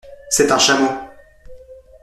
C’est un chameau.